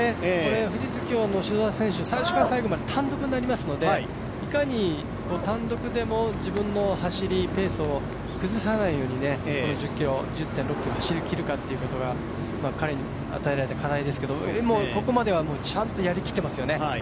富士通、今日の塩澤選手、最初から最後まで単独になりますので、いかに単独でも自分の走り、ペースを乱さないようにこの１０．６ｋｍを走りきるかが彼に与えられた課題ですけど、でもここまではちゃんとやりきってますよね。